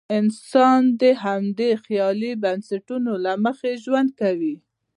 انسان د همدې خیالي بنسټونو له مخې ژوند کوي.